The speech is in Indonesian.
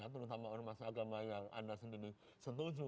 terutama ormas agama yang anda sendiri setuju